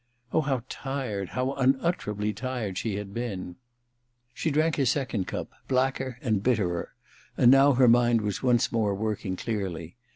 Oh, how tired, how unutterably tired she had been ! She drank a second cup, blacker and bitterer, and now her mind was once more working clearly.